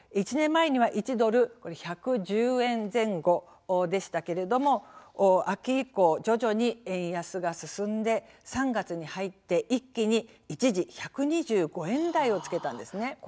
１年前には１ドル１１０円前後でしたけれども秋以降、徐々に円安が進んで３月に入って一気に一時１２５円台をつけたんですね。